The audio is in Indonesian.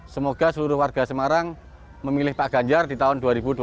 semoga seluruh warga semarang memilih pak ganjar di tahun dua ribu dua puluh